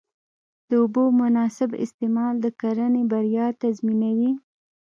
د اوبو مناسب استعمال د کرنې بریا تضمینوي.